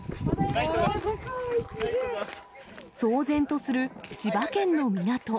騒然とする千葉県の港。